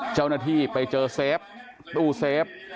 เจ้าหน้าที่ไปเจอเซฟตู้เซฟ